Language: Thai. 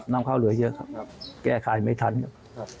น้ำข้าวเหลือเยอะครับแก้ไขไม่ทันครับ